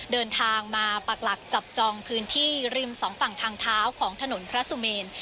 เดินทางมาปักหลักจับจองพื้นที่ริมสองฝั่งทางเท้าของถนนพระสุเมน